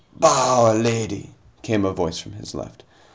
"By our Lady!" came a voice from his left.